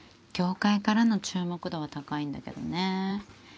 業界からの注目度は高いんだけどね。